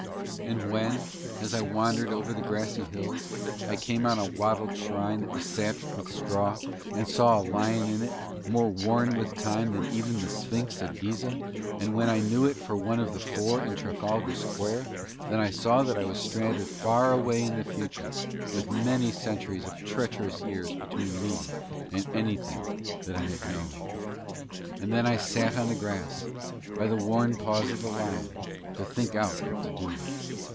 And when as I wandered over the grassy hills I came on a wattled shrine that was thatched with straw and saw a lion in it more worn with time than even the Sphinx at Gizeh and when I knew it for one of the four in Trafalgar Square then I saw that I was stranded far away in the future with many centuries of treacherous years between me and anything that I had known. And then I sat on the grass by the worn paws of the lion to think out what to do.